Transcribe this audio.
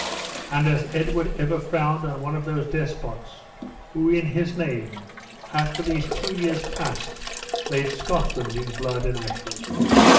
And has Edward ever frowned on one of those despots, who, in his name, have for these two years past laid Scotland in blood and ashes?"